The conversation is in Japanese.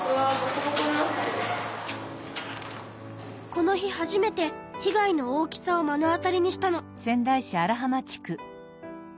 この日初めて被害の大きさをまのあたりにしたの。